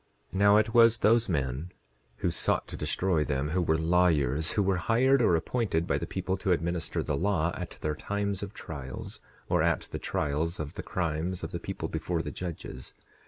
10:14 Now it was those men who sought to destroy them, who were lawyers, who were hired or appointed by the people to administer the law at their times of trials, or at the trials of the crimes of the people before the judges.